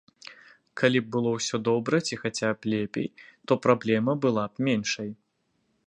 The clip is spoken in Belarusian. Калі б было ўсё добра ці хаця б лепей, то праблема была б меншай.